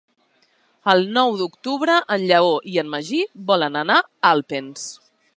El nou d'octubre en Lleó i en Magí volen anar a Alpens.